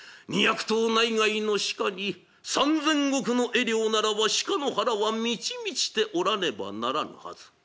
２００頭内外の鹿に三千石の餌料ならば鹿の腹は満ち満ちておらねばならぬはず。